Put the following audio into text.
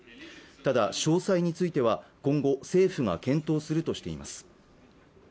ただ詳細については今後政府が検討するとしています